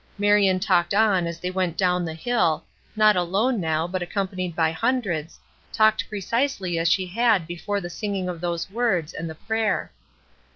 Marion talked on as they went down the hill, not alone now but accompanied by hundreds, talked precisely as she had before the singing of those words and the prayer.